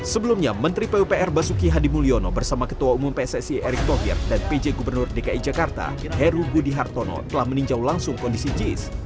sebelumnya menteri pupr basuki hadimulyono bersama ketua umum pssi erick thohir dan pj gubernur dki jakarta heru budi hartono telah meninjau langsung kondisi jis